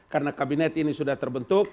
karena kabinet ini sudah terbentuk